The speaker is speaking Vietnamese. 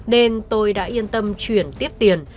nên tôi đã yên tâm chuyển tiếp tiền